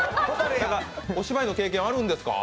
お芝居の経験あるんですか？